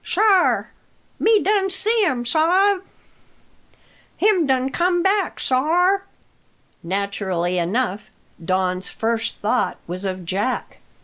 sar! me done see um, sa'b. Him done come back, sar." Naturally enough, Don's first thought was of Jack.